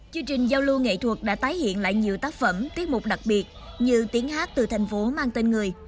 chương trình giao lưu nghệ thuật đã tái hiện lại nhiều tác phẩm tiết mục đặc biệt như tiếng hát từ thành phố mang tên người